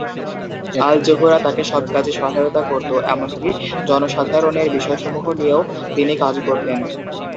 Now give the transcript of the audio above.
আল জোহরা তাকে সব কাজে সহায়তা করতো, এমনকি জনসাধারণের বিষয়সমূহ নিয়েও তিনি কাজ করতেন।